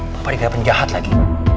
papa dikira penjahat lagi